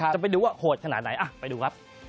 จะไปดูว่าโหดขนาดไหนไปดูครับ